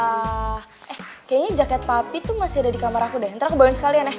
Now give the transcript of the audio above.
ehh kayaknya jaket papi masih ada di kamar aku deh ntar aku bawain sekalian ya